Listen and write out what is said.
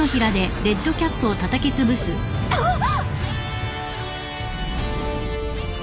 あっ！